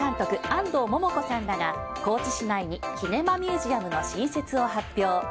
安藤桃子さんらが高知市内にキネマミュージアムの新設を発表。